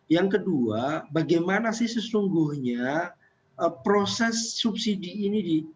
yang kedua bagaimana sih sesungguhnya proses subsidi ini di